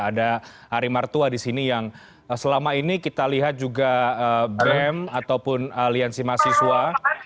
ada ari martua di sini yang selama ini kita lihat juga bem ataupun aliansi mahasiswa